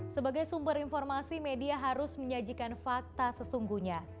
sebagai sumber informasi media harus menyajikan fakta sesungguhnya